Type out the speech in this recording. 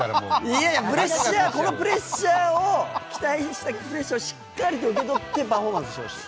いやいや、この期待したプレッシャーをしっかりと受け取ってパフォーマンスしてほしい。